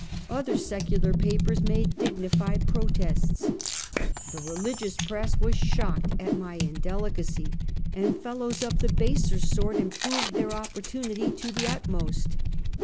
Other secular papers made dignified protests. The religious j>ress was shocked at my indelicacy, and fellows of the baser sort improved their opportunity to the utmost.